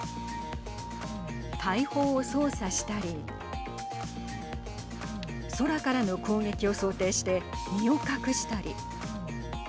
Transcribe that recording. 大砲を操作したり空からの攻撃を想定して身を隠したり。